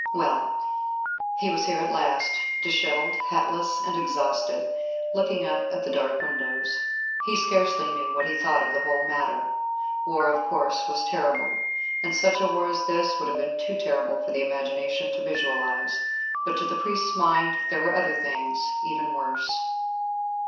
Well, he was here at last, dishevelled, hatless and exhausted, looking up at the dark windows. He scarcely knew what he thought of the whole matter. War, of course, was terrible. And such a war as this would have been too terrible for the imagination to visualise; but to the priest's mind there were other things even worse.